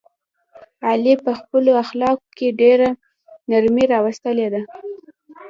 علي په خپلو اخلاقو کې ډېره نرمي راوستلې ده.